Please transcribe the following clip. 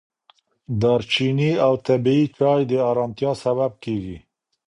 دارچیني او طبیعي چای د ارامتیا سبب کېږي.